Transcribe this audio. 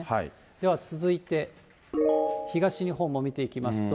では続いて、東日本も見ていきますと。